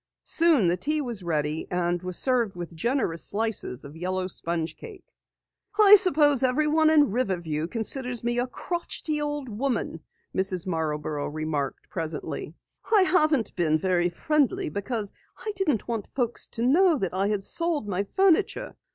Soon the tea was ready, and was served with generous slices of yellow sponge cake. "I suppose everyone in Riverview considers me a crotchety old woman," Mrs. Marborough remarked presently. "I haven't been very friendly because I didn't want folks to know I had sold my furniture.